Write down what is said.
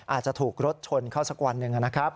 อาจจะถูกรถชนเข้าสักวันหนึ่งนะครับ